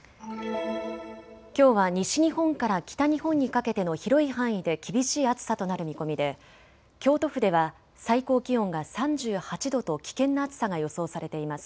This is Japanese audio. きょうは西日本から北日本にかけての広い範囲で厳しい暑さとなる見込みで京都府では最高気温が３８度と危険な暑さが予想されています。